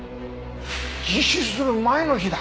自首する前の日だ！